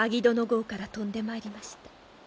郷から飛んでまいりました。